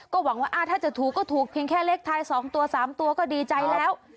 หวังว่าถ้าจะถูกก็ถูกเพียงแค่เลขท้าย๒ตัว๓ตัวก็ดีใจแล้ว